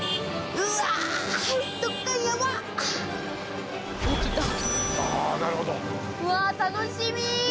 うわ楽しみ！